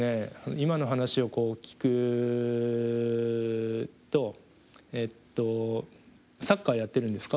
今の話を聞くとえっとサッカーやってるんですか？